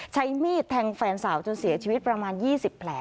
ใช้มีดแทงแฟนสาวจนเสียชีวิตประมาณ๒๐แผล